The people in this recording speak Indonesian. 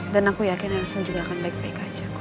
dan aku yakin nelson juga akan baik baik aja